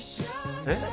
えっ？